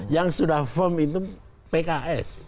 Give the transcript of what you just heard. yang sudah firm itu pks